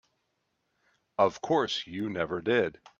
Of course you never did.